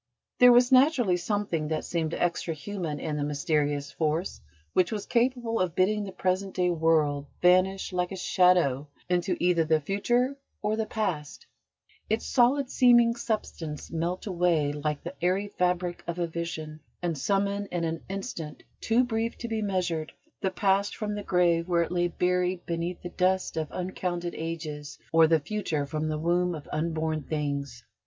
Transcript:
There was naturally something that seemed extra human in the mysterious force which was capable of bidding the present day world vanish like a shadow into either the future or the past, its solid seeming substance melt away like "the airy fabric of a vision," and summon in an instant, too brief to be measured, the past from the grave where it lay buried beneath the dust of uncounted ages, or the future from the womb of unborn things.